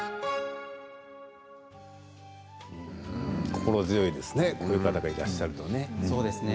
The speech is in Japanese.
心強いですねこういう方がいらっしゃると。